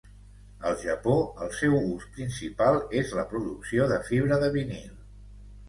Al Japó, el seu ús principal és la producció de fibra de vinil.